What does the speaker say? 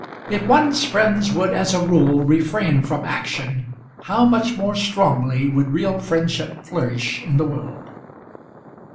If one's friends would as a rule refrain from action how much more strongly would real friendship flourish in the world!